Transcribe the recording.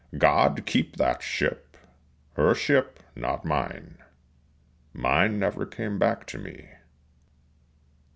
God keep that ship! Her ship, not mine Mine never came back to me.